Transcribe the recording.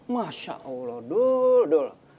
masya allah dul